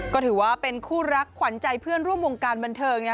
ก็ถือว่าเป็นคู่รักขวัญใจเพื่อนร่วมวงการบันเทิง